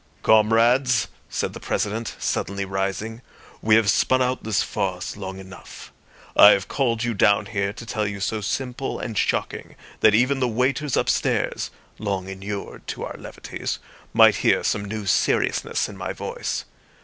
"Comrades," said the President, suddenly rising, "we have spun out this farce long enough. I have called you down here to tell you something so simple and shocking that even the waiters upstairs (long inured to our levities) might hear some new seriousness in my voice.